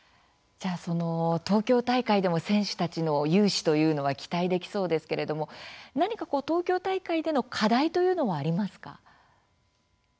東京大会でも選手たちの雄姿というのは期待できそうですけれども何か東京大会での課題というのはありますか。